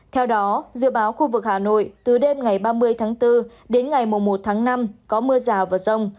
theo đó dự báo khu vực hà nội từ đêm ngày ba mươi tháng bốn đến ngày một tháng năm có mưa rào và rông